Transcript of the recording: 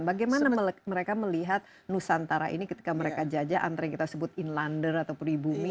bagaimana mereka melihat nusantara ini ketika mereka jajah antara yang kita sebut inlander atau pribumi